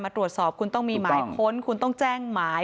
ตรวจสอบคุณต้องมีหมายค้นคุณต้องแจ้งหมาย